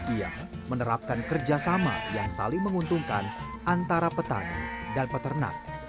ia menerapkan kerjasama yang saling menguntungkan antara petani dan peternak